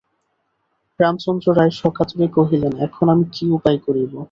রামচন্দ্র রায় সকাতরে কহিলেন, এখন আমি কী উপায় করিব?